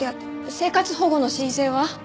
生活保護の申請は？